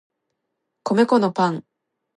米粉のパン